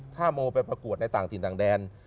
ถ้าโมไปประกวดในต่างถิ่นต่างแดน